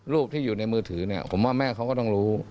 ที่อยู่ในมือถือเนี่ยผมว่าแม่เขาก็ต้องรู้